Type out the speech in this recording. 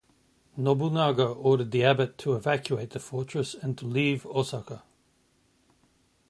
Nobunaga ordered the Abbot to evacuate the fortress, and to leave Osaka.